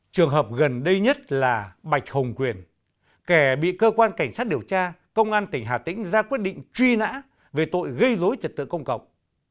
trường hợp gần đây nhất là bạch hồng quyền kẻ bị cơ quan cảnh sát điều tra công an tỉnh hà tĩnh ra quyết định truy nã về tội gây dối trật tự công cộng